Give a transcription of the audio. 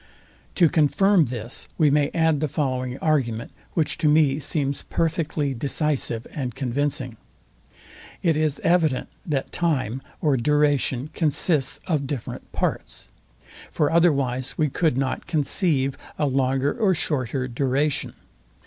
To confirm this we may add the following argument, which to me seems perfectly decisive and convincing. It is evident, that time or duration consists of different parts: For otherwise we could not conceive a longer or shorter duration.